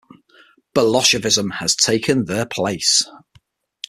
Bolshevism has taken their place.